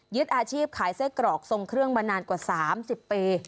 อาชีพขายไส้กรอกทรงเครื่องมานานกว่า๓๐ปี